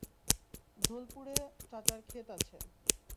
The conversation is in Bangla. ধোলপুরে চাচার ক্ষেত আছে।